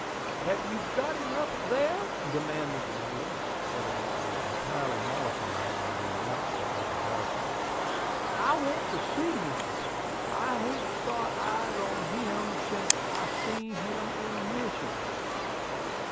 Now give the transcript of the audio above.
"Hev you got him in there?" demanded the lady, evidently entirely mollified by the announcement of her husband. "I want to see him. I hain't sot eyes on him sence I see him in Michigan."